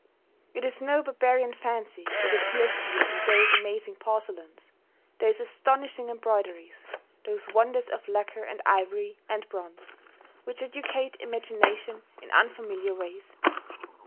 It is no barbarian fancy that appeals to you in those amazing porcelains, those astonishing embroideries, those wonders of lacquer and ivory and bronze, which educate imagination in unfamiliar ways.